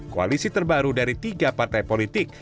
koalisi terbaru dari tiga partai politik